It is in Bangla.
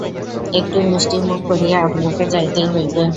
একটু মিষ্টমুখ করিয়া আপনাকে যাইতেই হইবে।